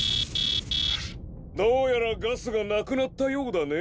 どうやらガスがなくなったようだね。